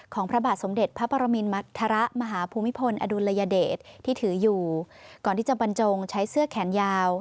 พระบาทสมเด็จพระปรมินมัธระมหาภูมิพลอดุลยเดชที่ถืออยู่ก่อนที่จะบรรจงใช้เสื้อแขนยาว